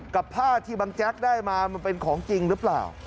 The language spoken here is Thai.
กับผ้าที่บังแจ๊กได้มามันเป็นของจริงหรือเปล่า